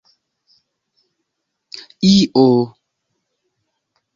io